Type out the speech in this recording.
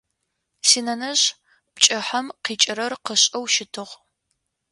Синэнэжъ пкӏыхьэм къикӏырэр къышӏэу щытыгъ.